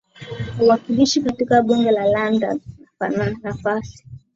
wawakilishi katika bunge la London na nafasi